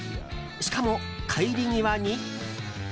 しかも、帰り際に。